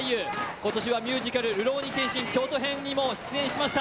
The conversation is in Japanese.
今年はミュージカル「るろうに検心京都編」にも出演しました。